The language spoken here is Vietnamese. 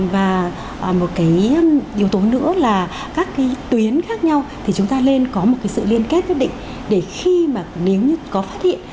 và một cái yếu tố nữa là các cái tuyến khác nhau thì chúng ta nên có một cái sự liên kết nhất định để khi mà nếu như có phát hiện